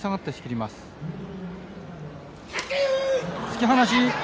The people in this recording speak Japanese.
突き放し。